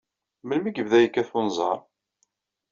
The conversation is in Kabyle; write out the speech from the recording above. Melmi ay yebda yekkat wenẓar?